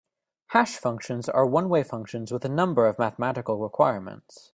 Hash functions are one-way functions with a number of mathematical requirements.